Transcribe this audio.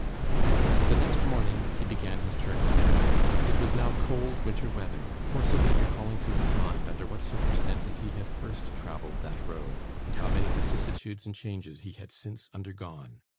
The next morning he began his journey. It was now cold, winter weather: forcibly recalling to his mind under what circumstances he had first travelled that road, and how many vicissitudes and changes he had since undergone.